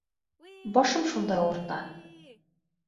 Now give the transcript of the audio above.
Башым шундай ауырта...